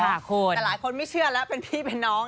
แต่หลายคนไม่เชื่อแล้วเป็นพี่เป็นน้อง